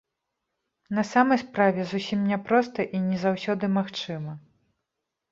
На самай справе, зусім няпроста і не заўсёды магчыма.